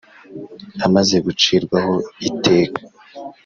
amaze gucirwaho iteka.